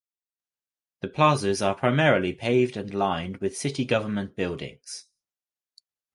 The plazas are primarily paved and lined with city government buildings.